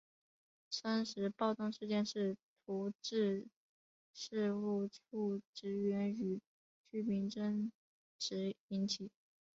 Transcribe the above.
双十暴动事件是徙置事务处职员与居民争执引起。